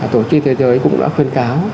tổ chức thế giới cũng đã khuyên cáo